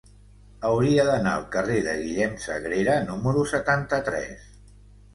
Hauria d'anar al carrer de Guillem Sagrera número setanta-tres.